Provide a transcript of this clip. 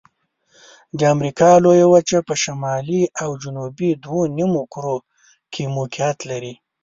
د امریکا لویه وچه په شمالي او جنوبي دوه نیمو کرو کې موقعیت لري.